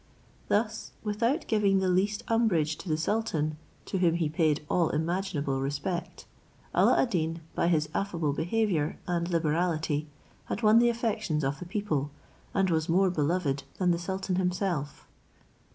Thus, without giving the ]east umbrage to the sultan, to whom he paid all imaginable respect, Alla ad Deen, by his affable behaviour and liberality, had won the affections of the people, and was more beloved than the sultan himself.